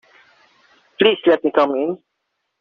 Please let me come in.